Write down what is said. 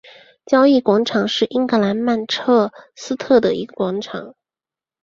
交易广场是英格兰曼彻斯特的一个广场。